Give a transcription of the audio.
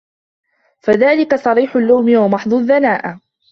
فَذَلِكَ صَرِيحُ اللُّؤْمِ وَمَحْضُ الدَّنَاءَةِ